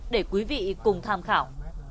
để quý vị cùng tham khảo